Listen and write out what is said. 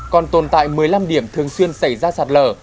còn tồn tại một mươi năm điểm thường xuyên xảy ra sạt lở